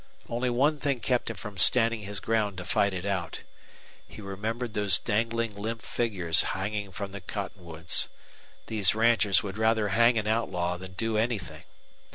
Only one thing kept him from standing his ground to fight it out. He remembered those dangling limp figures hanging from the cottonwoods. These ranchers would rather hang an outlaw than do anything.